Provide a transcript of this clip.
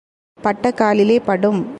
பட்ட காலிலேயே படும்.